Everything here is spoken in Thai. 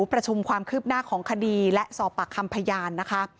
ประชุมความคืบหน้าของคดีและสอบปากคำพยานนะคะ